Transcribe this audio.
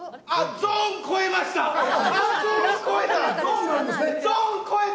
ゾーン超えた！